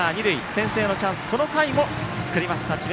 先制のチャンスをこの回も作りました智弁